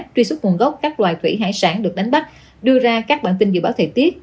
truy xuất nguồn gốc các loài thủy hải sản được đánh bắt đưa ra các bản tin dự báo thời tiết